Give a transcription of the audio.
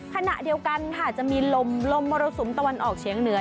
ขณะเดียวกันค่ะจะมีลมลมมรสุมตะวันออกเฉียงเหนือ